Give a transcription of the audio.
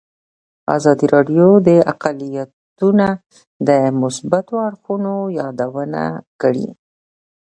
ازادي راډیو د اقلیتونه د مثبتو اړخونو یادونه کړې.